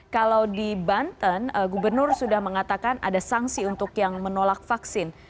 kalau di banten gubernur sudah mengatakan ada sanksi untuk yang menolak vaksin